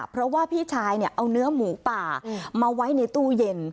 เพราะว่าพี่ชายเอาเนื้อหมูป่ามาไว้ในตู้เย็น